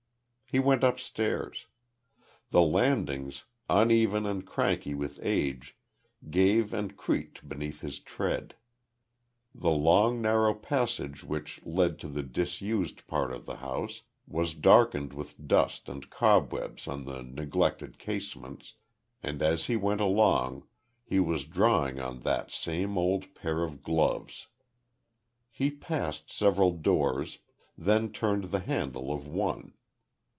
He went upstairs. The landings, uneven and cranky with age, gave and creaked beneath his tread. The long narrow passage which led to the disused part of the house was darkened with dust and cobwebs on the neglected casements, and as he went along, he was drawing on that same old pair of gloves. He passed several doors, then turned the handle of one.